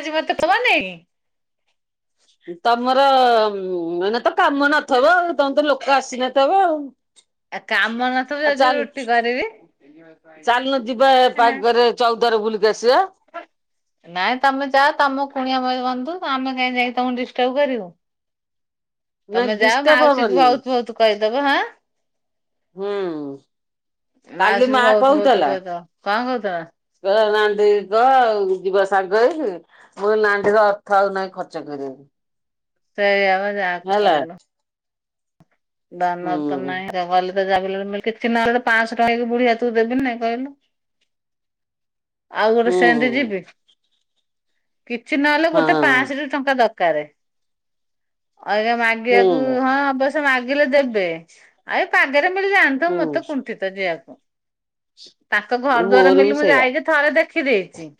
ଆଜି [unintelligible] ତମର ମାନେ ତ କାମ ନଥବ ତମେ ତ ଲୋକ ଆସିନଥବ ଆଉ। ଆ କାମ ନଥିବ ଆଉ ଯାଉଚି ଚାଲ ରୁଟି କରିବି। ଚାଲୁନଯିବା ଏଇ ପାଗରେ ଚୌଦ୍ବାର ବୁଲିକି ଆସିବା। ନାଇଁ ତମେ ଯାଅ ତମ କୁଣିଆ ବନ୍ଧୁ ଆମେ କାଇହିଁ ଯାଇକି ତମକୁ ଡିଷ୍ଟର୍ବ କରିବୁ। [unintelligible] ତମେ ଯାଅ ଡିଷ୍ଟର୍ବ ମାଉସୀକୁ ହବନି ବହୁତ୍ ବହୁତ୍ କହିଦବ ହାଁ ହୁଁ କାଲି ମା ମାଉସୀକୁ ବହୁତ୍ ବହୁତ୍ କହୁଥିଲା। କହିଦବ। କଣ କହୁଚ? କହିଲା ନାଣ୍ଡି କି କହ ଆ ଯିବ ସାଙ୍ଗ ହେଇକି ମୁଁ କହିଲି ନାଣ୍ଡି ଅର୍ଥ ଆଉ ନାହିଁ ଖର୍ଚ୍ଚ କରିବାକୁ। ସେଇଆ ବା ଜାହା ହେଲା କହିଲୁ। ଦାନର ତ ହୁଁ। ନାହିଁ [unintelligible] କିଛି ନହେଲେ ପାଞ୍ଚଶହ ଟଙ୍କା ବୁଢ଼ୀ ହାତକୁ ଦେବି ନାଇଁ କହିଲୁ। [unintelligible] ଆଉ ଗୋଟେ ହୁଁ ସେମିତି ଯିବି କିଛି ନହେଲେ ଗୋଟେ ହଁ ପାଶଁ ଟି ଟଙ୍କା ଦରକାର [unintelligible] ମାଗିବାକୁ ହୁଁ ହଁ ଅବସ୍ୟୟ ମାଗିଲେ ଦେବେ। ଆଉ ଏ ପାଗରେ ମିଳି ଜାଣିଥିବ ହୁଁ। ମତେ କୁଣ୍ଠିତ ଯିବାକୁ। ତାଙ୍କ ଘର ଦ୍ଵାର ମୋର ବି ମିଲି ମୁଁ ସେଇଆ ଯାଇକି ଥରେ ଦେଖି ଦେଇଛି।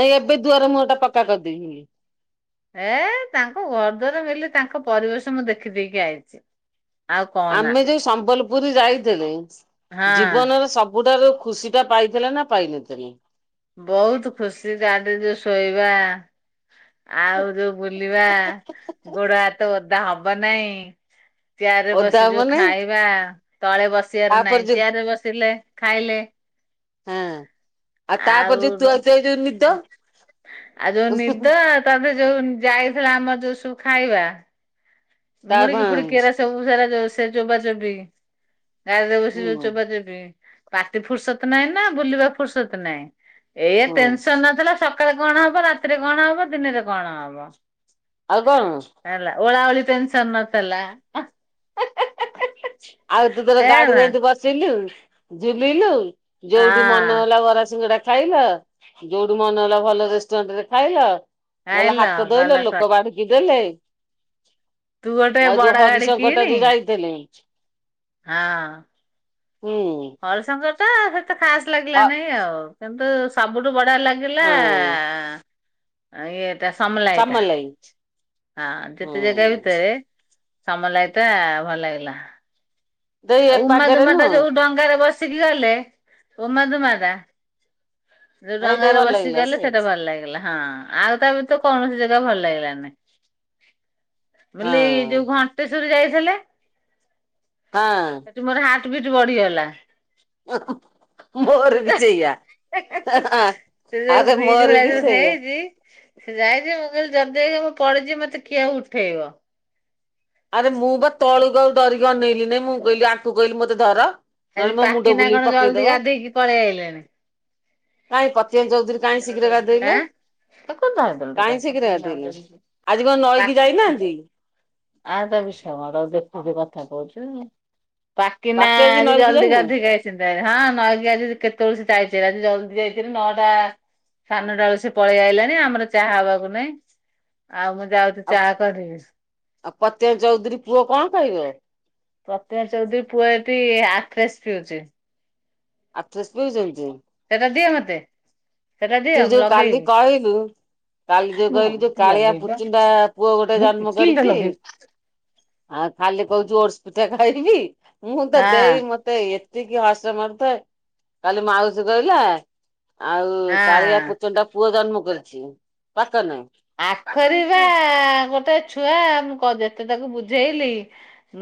ନାଇଁ ଏବେ ଦୁଆର ମୁହଁ ଟା ପକ୍କା କରିଦେଇଚି। ଏ ତାଙ୍କୁ ଘର ଦ୍ବାର ମିଲି ତାଙ୍କ ପରିବେଶ ମୁଁ ଦେଖିଦେଇକି ଆଇଛି। ଆମେ ଯୋଉ ସମ୍ବଲପୁରୀ ଯାଇଥିଲେ ହଁ ଜୀବନର ସବୁ ସବୁଠାରୁ ଖୁସି ଟା ପାଇଥିଲା ନା ପାଇନଥିଲେ? ବହୁତ୍ ଖୁସି ଗାଡି ଯୋଉ ଶୋଇବା। ଆଉ ଯୋଉ ବୁଲିବା ଗୋଡ ହାତ ଓଦା ହବ ନାହିଁ। ଚେୟାର ରେ ଓଦା ବସି ଯୋଉ ମାନେ ଖାଇବା ତଳେ ବସିବାର ତାପରେ ନାହିଁ ଯୋଉ ଚେୟାରରେ ବସିଲେ ଖାଇଲେ ହଁ ଆଉ ତାପରେ ଯୋଉ ଆଉ ତୁଆ ଯୋଉ ନିଦ। ଆଉ ଯୋଉ ନିଦ [unintelligible] ଯୋଉ ଯାଇଥିଲା ଆମର ଯୋଉ ସବୁ ଖାଇବା। ତା ହଁ ମୁଡିକି ଫୁଡିକି ଏରା ସବୁ ସାରା ସେ ଚୋବା ଚୋବି ଗାଡିରେ ବସି ଯଉ ହୁଁ ଚୋବା ଚୋବି ପାଟି ଫୁର୍ସତ ନାହିଁ ନା ବୁଲିବା ଫୁର୍ସତ ନାଇଁ ଏଇଆ ହୁଁ ଟେନସନ ନଥିଲା ସକାଳେ କଣ ହବ? ରାତିରେ କଣ ହବ? ଦିନରେ କଣ ହବ? ଆଉ କଣ? ଓଲାଓଳି ଟେନସନ ନଥିଲା। [unintelligible] ଆଉ ତୁ ତୋର ହେ ଗାଡି ମା ଏମିତି ବସିଲୁ ଝୁଲିଲୁ। ଯୋଉଠି ମନ ହଁ ହେଲା ବରା, ସିଙ୍ଗଡା ଖାଇଲ। ଯୋଉଠୁ ମନେ ହେଲା ଭଲ ରେଷ୍ଟୁରାଣ୍ଟ ରେ ଖାଇଲ ଗଲ ଆଇଲ ହାତ ଗଲା ଧୋଇଲ ସ ଲୋକ ବାଢ଼ୁ କି ଦେଲେ ତୁ ଗୋଟେ ଆଉ ବଡ ଯଉ ଗାଡି ହରିଶଙ୍କର ଟା କିଣି ଯଉ ଯାଇଥେଲେ ହଁ। ହୁଁ। ହରିଶଙ୍କର ଟା ସେତେ ଖାସ ଲାଗିଲା ନାହିଁ ଆଉ କିନ୍ତୁ ସବୁଠୁ ବଢିଆ ଲାଗିଲା ହଁ ଇଏ ସମଲାଇ ଟା ସାମଲାଇ ହଁ ଯେତେ ଜାଗା ହୁଁ ଭିତରେ ସମଲାଇ ତା ଭଲ ଲାଗିଲା। ଦେଇ ଏ ଆଉ ପାଗରେ ଉମାଦୁମା ଟା ନୁହଁ ଯଉ ଡଙ୍ଗାରେ ବସିକି ଗଲେ ଉମାଦୁମା ଟା ଯଉ ହେଇ ଦେଇ ଡଙ୍ଗାରେ ଭଲ ବସି ଲାଗିଲା ଗଲେ ଯେ ସେଇଟା ଭଲ ଲାଗିଲା। ହଁ ଆଉ ତା ବ୍ୟତୀତ କୌଣସି ଜାଗା ଭଲ ଲାଗିଲାନି ବୋଲି ହଁ ଯଉ ଘଣ୍ଟ ଟେଶ୍ବରୀ ଯାଇଥିଲେ? ହଁ। ସେଠି ମୋର ହାର୍ଟ ବିଟ୍ ବଢିଗଲା। [unintelligible] ମୋର ସେ ବି ସେଇଆ ଏ ଯୋଉ ଆଁ ସେ ଯୋଉ ଆରେ ବ୍ରିଜ ମୋର ଭଳିଆ ବି ଯୋଉ ସେଇଆ ହେଇଛି ସେ ଯାଇଚି ମୁଁ କହିଲି ଯଦିି ମୁଁ ପଡିଯିବି ମତେ କିଏ ଉଠେଇବ? ଆରେ ମୁଁ ବା ତଳୁକୁ ଆଉ ଡରିକି ଅନେଇଲି ନାଇଁ ମୁଁ କହିଲି ଆଙ୍କୁ କହିଲି ମତେ ଧର। ଆଜି ନହେଲେ ମୋ ମୁଣ୍ଡ ପାକିନା ବୁଲେଇ କଣ ଜଲଦି ପକେଇଦବ ଗାଧେଇକି ପଳେଇ ଆଇଲେଣି। କାଇଁ ପତିମା ଚୌଧୁରୀ କାଇଁ ଶୀଘ୍ର ଗାଧେଇଲେ? ଆଁ ତାକୁ ଧରିଦେଲୁ ଟିକେ କାଇଁ ଧରିଦେଲୁ ଶୀଘ୍ର ଗାଧେଇଲେ ଆଜି କଣ ପା ନଈକି ଯାଇ ନାହାନ୍ତି? ଆ ତା ବିଷ ମର ଦେଖୁିଚୁ କଥା କହୁଚୁ। ପାକି ନା ପାତି ଆଜି ନଈକି ଜଲଦି ଯାଇନି ଗାଧେଇକି ଆଇଚନ୍ତି ଭାରି। ହଁ ନଈକି ଆଜି କେତେବେଳୁ ସେ ଯାଇଛି ଆଜି ଜଲଦି ଯାଇ ସେ ନଅଟା ସାଢ଼େ ନଟା ବଳୁ ସେ ପଳେଇ ଆଇଲାଣି ଆମର ଚାହା ହବାକୁ ନାଇଁ। ଆଉ ମୁଁ ଯାଉଚି ଆଉ ଚାହା କରିବି। ଆଉ ପତିମା ଚୌଧୁରୀ ପୁଅ କଣ ଖାଇଲେ? ପ୍ରତିମା ଚୌଧୁରୀ ପୁଅ ଏଠି ଆଫ୍ରେଶ ପିଉଚି। ଆଫ୍ରେଶ ପିଉଚନ୍ତି? ସେଟା ଦିଅ ମତେ। ସେଟା ତୁ ଦିଅ ମୁଁ ଯୋଉ କାଲି ଲଗେଇବି। କହିଲୁ କାଲି ଯଉ କହିଲୁ ଯଉ କାଳିଆ ଲଗେଇବା ପୁଚିଣ୍ଡା ପୁଅ ଗୋଟେ ମୁଁ ଜନ୍ମ ଟିକିଲି ଟା କରିଚି ଲଗେଇବି। ଆଉ ଖାଲି କହୁଚି ଓଟସ୍ ପିଠା ଖାଇବି ମୁଁ ତ ଦେଇ ହଁ ମ ତେ ଏତିକି ହସ ମାଡୁଥାଏ କାଲି ମାଉସୀ କହିଲା ଆଉ କାଳିଆ ହଁ। ପୁଚଣ୍ଡା ପୁଅ ଜନ୍ମ କରିଛି ପାକନ। ଆଖରିବା ଗୋଟେ ଛୁଆ ମୁଁ ଯେତେ ତାକୁ ବୁଝେଇଲି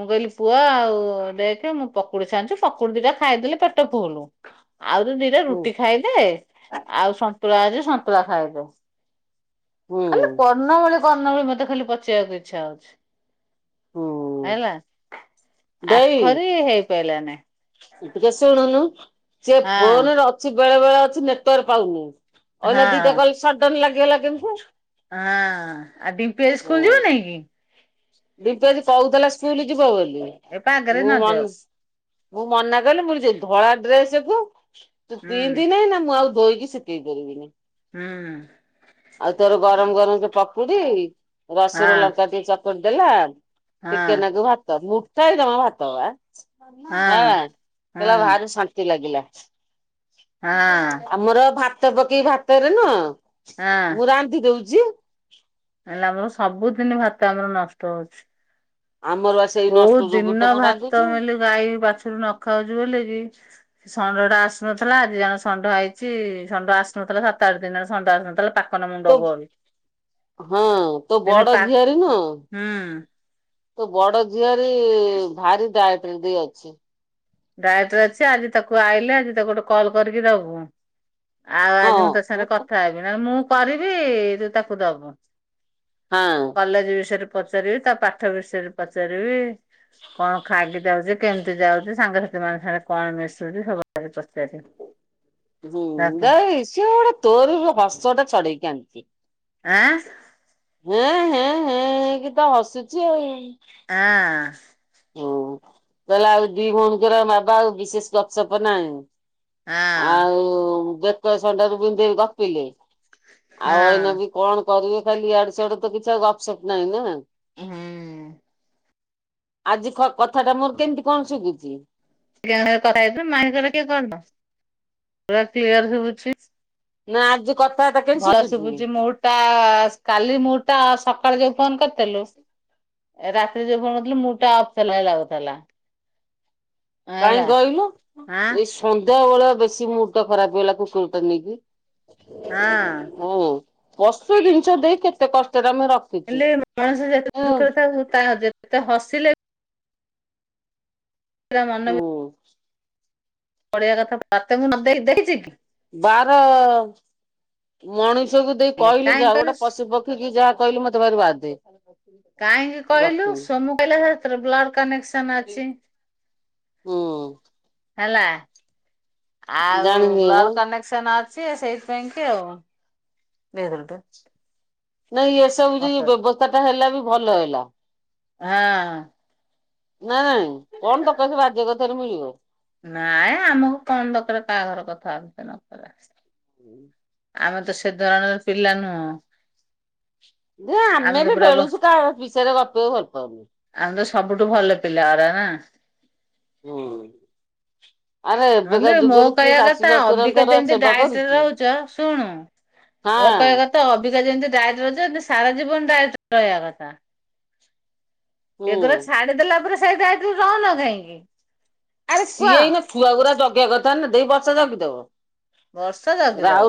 ମୁଁ କହିଲି ପୁଅ ଆଉ ଦେଖେ ମୁଁ ପକୁଡି ଛାଣୁଚି ପକୁଡି ଦିଟା ଖାଇଦେଲେ ପେଟ ଫୁଲୁ। [unintelligible] ଆଉ ତୁ ଦିଟା ହୁଁ ରୁଟି ଖାଇଦେ ଆଉ ସନ୍ତୁଳା ଅଛି ସନ୍ତୁଳା ଖାଇଦେ। ହୁଁ ଖାଲି କର୍ଣ୍ଣ ମୁଳି କର୍ଣ୍ଣ ମୁଳି ମତେ ଖାଲି ପଚେଇବାକୁ ଇଚ୍ଛା ହଉଛି। ହୁଁ ହେଲା ଦେଇ ଆଖରି ହେଇ ପାଇଲାନାହିଁ। ଟିକେ ଶୁଣୁନୁ ସିଏ ହଁ ଫୋନରେ ଅଛି ବେଳେ ବେଳେ ଅଛି ନେଟୱର୍କ ପାଉନି। ଅନା ହଁ। ଦିଟା କଲ୍ ସଡନ୍ ଲାଗିଗଲା କେମତି। ହଁ ଆଉ ଡିମ୍ପି ଆଜି ସ୍କୁଲ ଯିବ ନାଇଁ କି? ଡିମ୍ପି ଆଜି କହୁଥୀଲା ସ୍କୁଲ ଯିବ ବୋଲି ଏ ପାଗରେ ମୁଁ ନ ଯାଉ ମନସ୍? ମୁଁ ମନା କଲି ମୁଁ କହିଲି ଯେ ଧଳା ଡ୍ରେସକୁ ତୁ ହୁଁ ପିନ୍ଧିନେ ନା ମୁଁ ଆଉ ଧୋଇକି ଶି? ହେଇ କରିବିନି। ହୁଁ। ଆଉ ତୋର ଗରମ ଗରମ ଯଉ ପକୁଡି ହଁ ରସୁୁର ଲଙ୍କା ଟିକେ ଚକ? କଡି ଦେଲା ହଁ ଟିକେନାଗୁ ଭାତ ମୁଠେ ଜମା ଭାତ ବା? ହଁ ହଁ କହିଲ ଭାରେ ଶାନ୍ତି ଲାଗିଲା। ହଁ ଆମର ଭାତ ପକେଇ ଭାତରେ ନୁହଁ। ହଁ ମୁଁ ରାନ୍ଧି ଦଉଛି। ହେଲେ ଆମର ସବୁଦିନ ଭାତ ଆମର ନଷ୍ଟ ହଉଛି। ଆମର ବାସ? କୋଉ ଦିନ ଭାତ ମେଲି ଗାଈ ବାଛୁରୀ ନ ଖାଉଛି ବୋଲି କିି। ଷଣ୍ଢ ଟା ଆସୁନଥିଲା ଆଜି ଜଣ ଷଢ ହେଇଛି ଷଣ୍ଢ ଆସୁନଥିଲା ସାତ ଆଠ ଦିନରେ ଷଣ୍ଢ ଆସୁନଥିଲା ପାଖ? ତୋ ହଁ ତୋ ଦିନେ ବଡ ପା ଝିଅରୀ ନୁହଁ। ହୁଁ ତୋ ବଡ ଝିଅରି ଭାରି ଡାଏଟରେ ଦେଇ ଅଛି। ଡାଇକ୍ଟର ଅଛି ଆଜି ତାକୁ ଆଇଲେ ଆଜି ତାକୁ ଗୋଟେ କଲ୍ କରିକି ଦବୁ। ଆଉ ଆଜି ମୁଁ ତୋ ସାଙ୍ଗରେ ହଁ କଥା ହେବି ନଲେ ମୁଁ କରିବି ତୁ ତାକୁ ଦବୁ। ହଁ। କଲେଜ ବିଷୟରେ ପଚାରିବି ତା ପାଠ ବିଷୟରେ ପଚାରିବି। କଣ ଖକି ଯାଉଛି କେମତି ଯାଉଛି। ସେମାନଙ୍କ ସାଙ୍ଗରେ କଣ ମିଶୁଛି ସବୁ ପଚାରିବି। ହୁଁ ତାକୁ ଯାଇ ସିଏ ଗୋଟେ ତୋର ହସ ଟା ଛଡେଇକି ଆଣିନ୍ତି। ଆ? ହଁ ହଁ ହଁ କି ତ ହସୁଛି ଆଉ? ହଁ। ହୁଁ ତାହେଲେ ଆଉ ଦି ଭଉଣୀଙ୍କର ବାବା ଆଉ ବିଶେଷ ଗପ୍ ସପ୍ ନାହିଁ? ହଁ। ଆଉ ବେତସଣ୍ଡାରୁ ବିନ୍ଧେଇ ଗପିଲେ ହଁ ଆଉ ଏଇନା ବି? କଣ କରିବେ ଖାଲି ଇଡ ସିଆଡେ ତ କିଛିଉ ଗପସପ୍ ନାହିଁ ନା? ହୁଁ। ଆଜି କଥା ଟା ମୋର କେମିତି କଣ ଶିଖୁଛି। ଟ କଥା ହେଇ ମାଇର କିଏ କରିନ ପୁରା କ୍ଲିୟର ସୁବୁଛି। ନା ଆଜି କଥାବାର୍ତ୍ତା କେମତି ଶିଖୁଛି। ତା କାଲି ମୁ ଟା ସକାଳ ଯୋ ଫୋନ କରିଥିଲୁ। ରାତିରେ ଯୋଉ କଣଥିଲେ ମୁଟା ଅଫ୍ ଚଲ ଲାଗୁଥିଲା। କାହିଁ ହେଲା କହିଲୁ ଆଁ ଏଇ ସନ୍ଧ୍ୟା ବେଳେ ବେଶୀ ମୁର୍ତ ଖରାପ ହେଇଗଲା କୁକୁର ଟା ନେଇକି? ହଁ। ପସୁ ଜିନିଷ ଦେଇ କେତେ କଷ୍ଟରେ ଆମେ ରଖ? ହେଲେ ମଣିଷ ଯେତେ ଦୁଃଖରେ ଥାଉ ତା ଯେତେ ହସିଲେ ତା ମାନବି ହୁଁ ପଡ଼ିବା କଥା ପ୍ରତେ ମୁଁ ନ ଦେଇ ଦେଇଛି କି। ବାର ମଣିଷକୁ ଦେଇ ହେଲେ କହିଲି କାହିଁ ଯାହା କହିଲୁ ଗୋଟେ ପଶୁପକ୍ଷୀ କି ଯାହା କହିଲେ ମୁଁ ତେ ଭାରି ବାଧେ। କାହିଁକି କହିଲୁ ରଖିବି ସୋମୁ କହିଲା ଏ ତୋର ବ୍ଲଡ କନେକ୍ସନ ମାରିଛି। ହୁଁ ହେଲା ଆଉ ଜାଣିନି ବା ବ୍ଲକ ତମେ। ସେ ମାରିଛି ସେଇଥିପାଇଁ କି ଆଉ ଦେଇଦଲୁ ନାଇଁ ଏସବୁ ଯ ବ୍ୟବସ୍ଥା ଟା ହେଲା ବି ଭଲ ହେଲା। ହଁ। ନାଇଁ ନାଇଁ କଣ ଦକାର ସେ ରାଜ୍ୟ କଥାରେ ମିଳିବ। ନାଇଁ ଆମକୁ କଣ ଦରକାର କାହା ଘର କଥା ଆଲୋଜନା କରିବା। ହୁଁ। ଆମେ ତ ସେ ଧରଣର ପିଲା ନୁହଁ। ଯେ ଆମେ ତ ବି ପୁରା ବେଳୁଛୁ କାହା ବିଷୟରେ ଗପିବାକୁ ଭଲ ପାଉନି। ଆମେ ତ ସବୁଠୁ ଭଲ ପିଲା ଓରା ନା। ହୁଁ। ଆରେ ଏବେକା ହେଲେ ମୋ ଯୁଗରେ କିଏ କହିବା ଶାଶୁ କଥା ଅବିକା ଶ୍ୱଶୁରଙ୍କର ଯେମତି ସେବା ଡାଏଟରେ କରୁଛି ରହୁଛ। ଶୁଣୁ ହଁ ମୋ କହିବା କଥା। ତ ଅବିକା ଯେମିତି ଡାଇରେଟର ସାରା ଜୀବନ ଡାଇରେଟ ରହିବା କଥା। ହୁଁ ଏଗୁଡା ଛାଡିଦଲା ପରେ ସେ ଡାଇଟି ରହୁନ କାହିଁକି। ଆରେ କୁହ? ସିଏ ଏ ଇନା ଛୁଆଗୁୁରା ଜଗିବାଆ କଥା ନା ଦିଇ ବର୍ଷା ଜଗିଦେଉ। ବର୍ଷା ଜଗିଦବ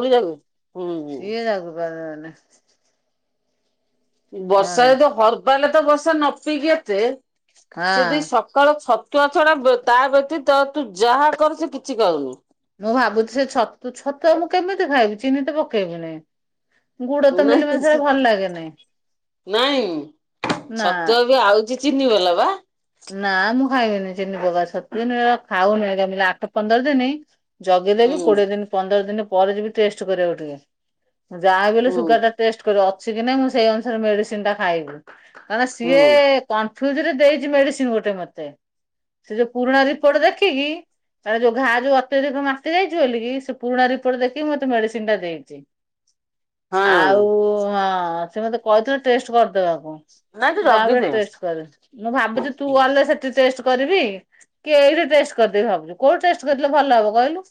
ହୁଁ ହୁଁ ସିଏ ଜଗିପାରିବନି। ବର୍ଷା ହଁ। ଯଦି ହରବା ହେଲେ ତ ବର୍ଷା ନ ପିକି ଏତେ ହଁ ସେଦ। ସକାଳୁ ଛତୁଆ ଛଡା ତା ବ୍ୟତୀତ ତୁ ଯାହା କରୁସ କିଛି କରୁନି। ମୁଁ ଭାବୁଛି ସେ ଛତୁ ଛତୁ ଆ ମୁଁ କେମିତି ଖାଇବି ଚିନି ତ ପକେଇବି ନାହି। ଗୁଡ ତ ମିଲି ନାଇଁ ମିଶା ସେ ଭଲ ଲାଗେନି। ନାଇଁ ନା। ଛତୁଆ ବି ଆଉଛି ଚିନି ବାଲା ପା। ନା ମୁଁ ଖାଇବିନି ଚିନି ପକା ସତଦିନ ଖାଉନିି ଆଠ ପନ୍ଦର ଦିନ। ଜଗିଲେବି ହୁଁ କୋଡିଏ ଦିନ ପନ୍ଦର ଦିନ ପରେ ଯିବି ଟେଷ୍ଟ କରିବାକୁ ଟିକେ। ଯାହାବଲେ ହୁଁ ସୁଗାର ଟା ଟେଷ୍ଟ କରିବ ଅଛି କି ନାଇଁ ମୁଁ ସେଇ ଅନୁସାରେ ମେଡିସିନ ଟା ଖାଇବି। କାରଣ ସିଏ ହୁଁ କନଫ୍ୟୁଜ ରେ ଦେଇଛି ମେଡିସିନ ଗୋଟେ ମତେ। ସେ ଯୋଉ ପୁରୁଣା ରିପୋର୍ଟ ଦେଖିକି। ତା ଯୋଉ ଘାହା ଯୋଉ ଅତ୍ୟଧିକ ମାତି ଯାଇଛି ବୋଲିଲ କି ସେ ପୁରୁଣା ରିପୋର୍ଟ ଦେଖି ମତେ ମେଡିସିନ ଟା ଦେଇଛି। [inaudible] ଆଉ ହଁ ସେ ମତେ କହିଥିଲେ ଟେଷ୍ଟ କରିଦବାକୁ। ନାଇଁ ତୁ ଯାହା ହେଲେ ଜଗିଦେ। ଟେଷ୍ଟ କର ମୁଁ ଭାବୁଛି ତୁ ଗଲେ ସେଠି ଟେଷ୍ଟ କରିବି। କି ଏଇଠି ଟେଷ୍ଟ କରିଦେବି ଭାବୁ କୋଉଠ ଟେଷ୍ଟ କରିଦଲେ ଭଲ ହବ କହିଲୁ।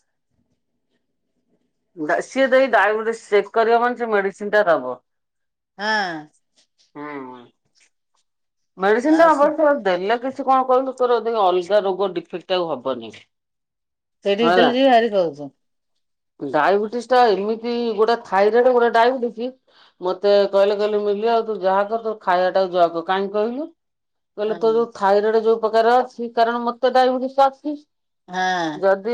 ସିଏ ଦେଇ ଡାଇବେଟିସ ଚେକ୍ କରିବ ମାନେ ସେ ମେଡିସିନ ଟା ଦବ। ହଁ। ହୁଁ ଆ ମେଡିସିନ ଟା ଅବଶ୍ୟ। ଦେଲା କି ସେ କଣ କହିଲ ତୋର ଅଲଗା ରୋଗ ଡିଫେକ୍ଟ ହବନି। ସେଇଠି କାଲି ଯି ହାରି କହୁଛୁ। ଡାଇବେଟିସ୍ ଟା ଏମିତି ଗୋଟେ ଥାଇରଏଡ ଗୋଟେ ଡାଇବେଟିସ୍। ମତେ କହିଲେ କହିଲେ ମିଲି ଆଉ ତୁ ଯାହା କର ତୋ ଖାଇବା ଟାକୁ ଯହା କାହିଁକି କହିଲୁ। କହିଲେ ହଁ। କହିବ ଥାଇରଏଡ ଯୋଉ ପ୍ରକାର ଅଛି କାରଣ ମତେ ଡାଇବେଟିସ ଅଛି। ନାଁ। ଯଦି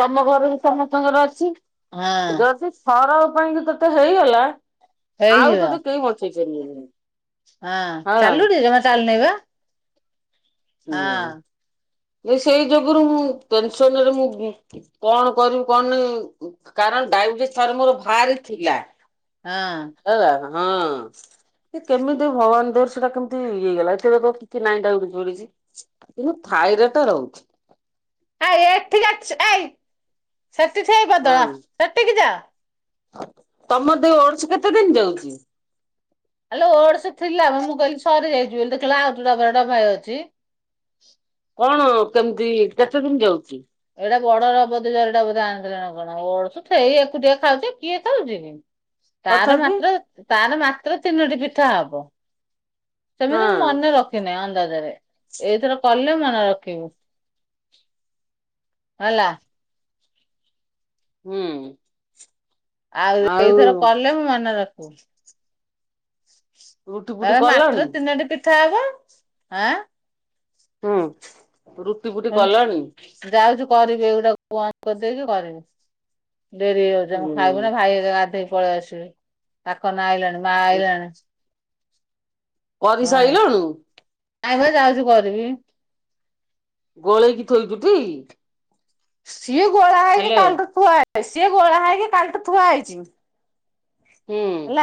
ତମ ଘରକୁ ସମସ୍ତଙ୍କର ଅଛି ହଁ ଯଦି ଥର କ ପାଇଁ କି ତୋତେ ହେଇଗଲା ଆଉ ହେଇଯିବ ତୋତେ କେହି ବଛେଇଁ ପାରିବେନି। ହଁ ହେଲା ଚାଲୁନି ଜମା ଚାଲୁନି ବା। ହଁ। ହୁଁ ସେଇ ଯୋଗୁରୁ ମୁଁ ଟେନସନରେ ମୁଁ କଣ କରିବି କଣନାଇ। କାରଣ ଡାଇବେଟିସି ଥରେ ମୋର ଭାରି ଥିଲା। ହଁ। ହେଲା ହଁ। କେମିତି ଭଗବାନ ଦୟାରୁ ସେଟା କେମିତି ଇଗଲା ଏଥବେ ତ କିଛି ନାଇଁଟା ଉଡିଛି। କିନ୍ତୁ ଥାଇର ଟା ରହୁଛି। ଆଇ ଏଠିକ ଅ ଆଇ ସେଠି ସେଇ ବଦଳ ସେଠିକି ଯାଅ। ତମର ଦ ଓଡଶ କେତେ ଦିନ ଯାଉଛି। ଆଲୋ ଓଡସ ଥିଲା ମୁଁ କହିଲି ସରିଯାଇଛି ବୋଲି ଦେଖିଲା ଆଉଟା ଡବା ଡବାରେ ଭାଇ ଅଛି। କଣ କେମିତି କେତେ ଦିନ ଯାଉଛି। ଏଇଟା ବଡର ବଧେ ଜରିଟା ବୋଧେ ଆଣିଥିଲେ ନା କଣ ଓଡ଼ଶ ଏଇ ଏକୁ ଟିକେ ଖାଉଛେ କିଏ ଖାଉଛି କି। ତାର ତଥାପି ମାତ୍ର ତାର ମାତ୍ର ତିନୋଟି ପିଠା ହବ। ସେମିତି ହଁ ମନେ ରଖିିନି ଅନ୍ଦାଜରେ ଏଇଥର। କଲେ ମନେ ରଖିବୁ ହେଲା। ହୁଁ। ଆଉ ଏଇଥର କଲେ ମୁଁ ମନେ ରଖିବୁ। ରୁଟି ଫୁଟି ତାର କଲଣି? ମାତ୍ର ତିନୋଟି ପିଠା ହବ ହଁ। ହୁଁ। ଫୁଟି କଲଣି? ଯାଉଛିୁ କରିବି ଏଗୁଟାକୁ ବନ୍ଦ କରିଦେଇକି କରିବି। ଡେରି ହେଇଯାଉଛି ଆମ ହୁଁ ଖାଇବୁ ନା ଭାଇ ଗାଧୋଇକି ପଳେଇ ଆସିବି। ପାକ ନା ଆଇଲାଣି ମା ଆଇଲାଣି। ପରି ସାରିଲୁ। ଆଗ ଯାଉଛି କରିବି। ଗୋଳେଇକି ଥୋଇଛୁ ଠିକ୍ କି? ସିଏ ଗୋଳା ହେଇକି କାଲିଠୁ ଥୁଆ ହେଇ ସିଏ ଗୋଳା ହେଇକି କାଲିଠୁ ଥୁଆ ହେଇଛି। ହୁଁ ହେଲା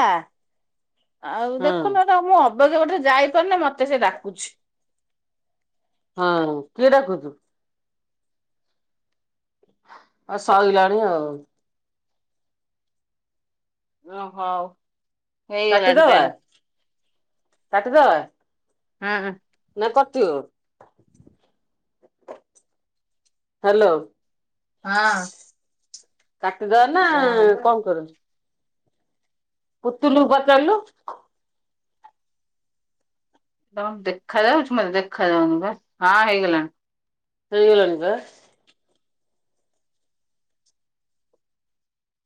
ଆଉ ହଁ। ଦେଖୁନ ତ ମୁଁ ଅବଗ ପଟେ ଯାଇପାରୁନି ମତେ ସେ ଡାକୁଛି। ହଁ କିଏ ଡାକୁଛୁ? ଆଉ ସିଲାଣି ଆଉ। ଓ ହଉ। ହେଇଗଲାଣି କାଟିଦବା ଟାଇମ୍ କାଟିଦବା। ହଁ। ନା କଟିବ। ହାଲୋ। ହଁ। କାଟିଦବା ନା ହଁ କଣ କରୁଛୁ। ପୁତୁଲୁ ପଚାରିଲୁ। ତମ ଦେଖା ଯାଉଛି ମତେ ଦେଖାଯାଉନି ବା ହଁ ହେଇଗଲାଣି। ହେଇଗଲାଣି ପା।